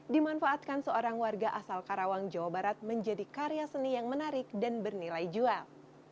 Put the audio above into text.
dimanfaatkan seorang warga asal karawang jawa barat menjadi karya seni yang menarik dan bernilai jual